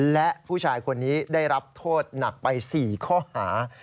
และผู้ชายคนนี้ได้รับโทษหนักไป๔ข้อหา